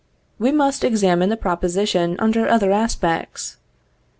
We must examine the proposition under other aspects.